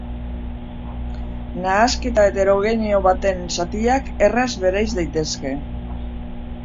Nahasketa heterogeneo baten zatiak erraz bereiz daitezke.